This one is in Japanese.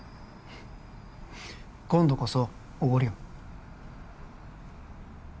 今度こそおごるよ